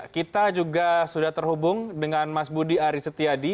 kita juga sudah terhubung dengan mas budi arisetiadi